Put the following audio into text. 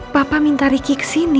papa minta riki kesini